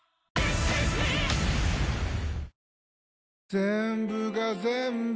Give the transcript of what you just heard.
ぜんぶがぜんぶ